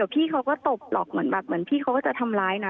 พี่เขาก็ตบหรอกเหมือนแบบเหมือนพี่เขาก็จะทำร้ายนะ